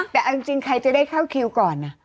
แต่เอาจริงใครจะได้เข้าคิวก่อน